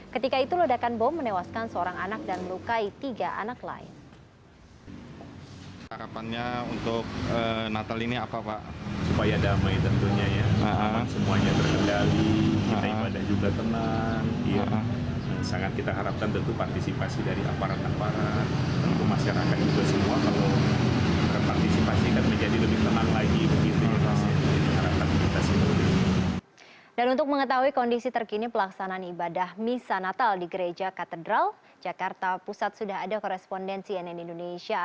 ketika itu ledakan bom menewaskan seorang anak dan melukai tiga anak lain